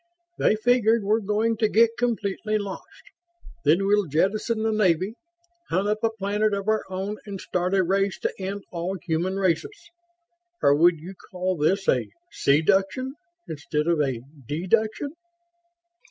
"They figured we're going to get completely lost. Then we'll jettison the Navy, hunt up a planet of our own and start a race to end all human races. Or would you call this a see duction instead of a dee duction?"